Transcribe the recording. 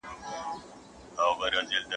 د بې اتفاقۍ له امله قوم کمزوری شو.